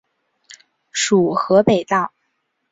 属河北道。